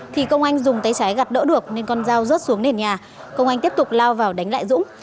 thì công anh dùng tay trái gặt đỡ được nên con dao rớt xuống nền nhà công anh tiếp tục lao vào đánh lại dũng